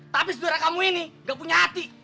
tapi saudara kamu ini gak punya hati